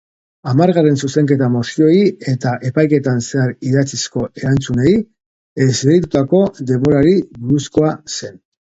Hamargarren zuzenketa mozioei eta epaiketan zehar idatzizko erantzunei esleitutako denborari buruzkoa zen.